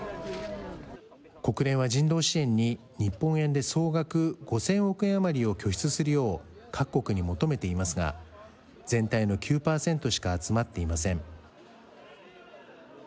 国連は人道支援に、日本円で総額５０００億円余りを拠出するよう各国に求めていますが、全体の９％しか集まっていません。